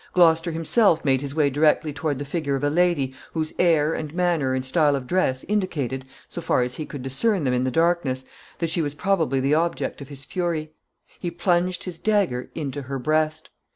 Gloucester himself made his way directly toward the figure of a lady, whose air, and manner, and style of dress indicated, so far as he could discern them in the darkness, that she was probably the object of his fury. He plunged his dagger into her breast.